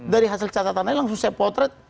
dari hasil catatannya langsung saya potret